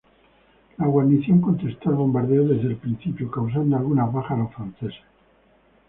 La guarnición contestó al bombardeo desde el principio, causando algunas bajas a los franceses.